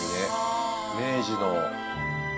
明治の。